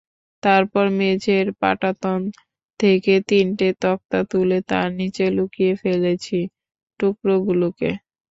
তারপর মেঝের পাটাতন থেকে তিনটে তক্তা তুলে তার নিচে লুকিয়ে ফেলেছি টুকরোগুলোকে।